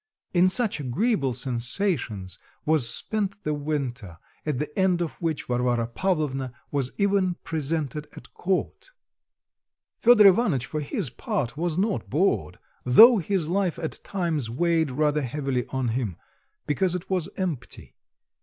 In such agreeable sensations was spent the winter, at the end of which Varvara Pavlovna was even presented at court. Fedor Ivanitch, for his part, was not bored, though his life, at times, weighed rather heavily on him because it was empty.